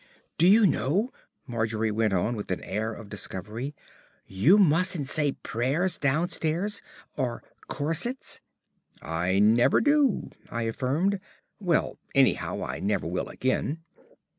"Do you know," Margery went on with the air of a discoverer, "you mustn't say 'prayers' downstairs. Or 'corsets.'" "I never do," I affirmed. "Well, anyhow I never will again."